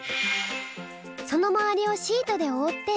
そのまわりをシートでおおって。